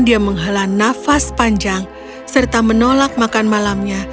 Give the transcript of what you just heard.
dia menghala nafas panjang serta menolak makan malamnya